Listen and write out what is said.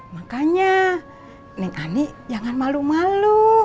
makanya neng ani jangan malu malu